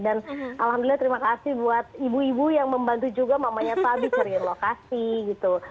dan alhamdulillah terima kasih buat ibu ibu yang membantu juga mamanya tadi cari lokasi gitu